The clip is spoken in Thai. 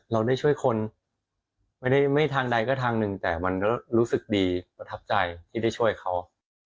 เราได้ช่วยคนไม่ได้ทางใดก็ทางหนึ่งแต่มันรู้สึกดีประทับใจที่ได้ช่วยเขา